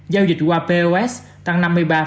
giao dịch qua pos tăng năm mươi ba năm mươi bảy